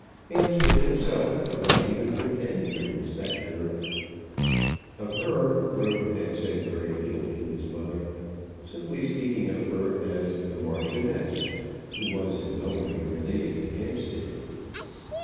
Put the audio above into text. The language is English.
Hampstead himself could not even pretend to respect her. Of her Roden had said very little to his mother, simply speaking of her as the Marchioness, who was in no way related to Hampstead.